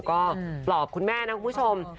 ก็ปลอบคุณแม่นะคุณผู้ชม